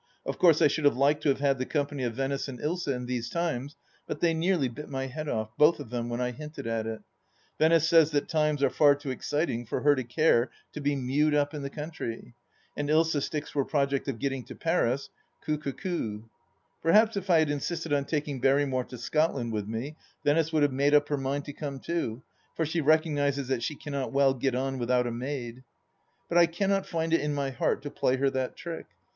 Of course I should have liked to have had the company of Venice and Ilsa in these times, but they nearly bit my head off, both of them, when I hinted at it. ... Venice says that times are far too exciting for her to care to be mewed up in the country, and Ilsa sticks to her project of getting to Paris, coute que coute. Perhaps if I had insisted on taking Berrymore to Scotland with me Venice would have made up her mind to come too, for she recognizes that she cannot well get on without a maid. ... But I cannot find it in my heart to play her that trick.